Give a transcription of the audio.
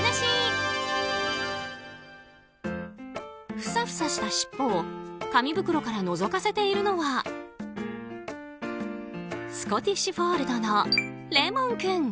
ふさふさした尻尾を紙袋からのぞかせているのはスコティッシュフォールドのレモン君。